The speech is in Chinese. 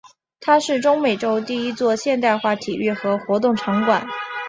它是中美洲第一座现代化体育和活动场馆。